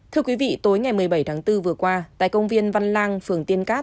thưa quý vị tối ngày một mươi bảy tháng bốn vừa qua tại công viên văn lang phường tiên cát